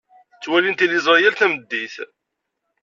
Ttwalin tiliẓri yal tameddit.